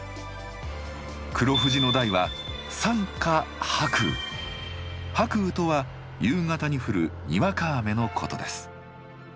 黒富士の題はとは夕方に降るにわか雨のことです。